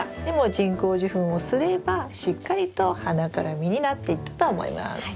でも人工授粉をすればしっかりと花から実になっていったと思います。